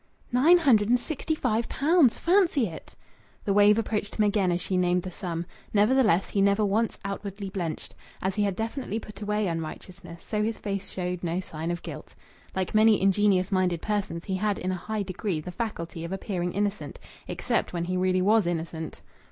"Nine hundred and sixty five pounds! Fancy it!" The wave approached him again as she named the sum. Nevertheless, he never once outwardly blenched. As he had definitely put away unrighteousness, so his face showed no sign of guilt. Like many ingenuous minded persons, he had in a high degree the faculty of appearing innocent except when he really was innocent.